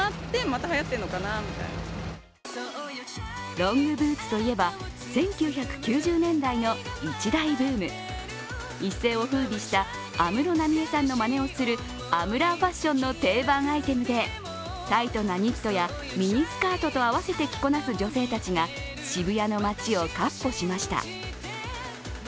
ロングブーツといえば１９９０年代の一大ブーム一世をふうびした安室奈美恵さんのまねをするアムラーファッションの定番アイテムで、タイトなニットやミニスカートと合わせて着こなす女性たちが渋谷の街をかっ歩しました。